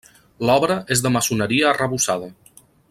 L'obra és de maçoneria arrebossada.